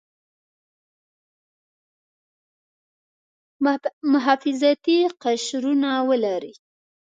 محافظتي قشرونه ولري.